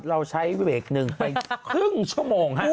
เราใช้เวกหนึ่งไปครึ่งชั่วโมงฮะ